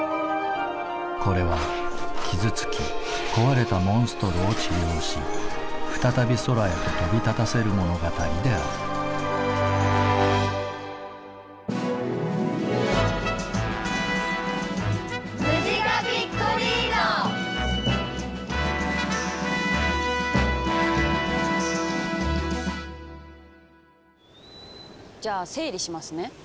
これは傷つき壊れたモンストロを治療し再び空へと飛び立たせる物語であるじゃあ整理しますね。